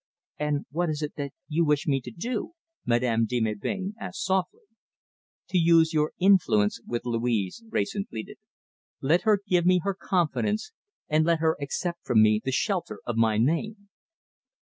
"And what is it that you wish me to do?" Madame de Melbain asked softly. "To use your influence with Louise," Wrayson pleaded. "Let her give me her confidence, and let her accept from me the shelter of my name."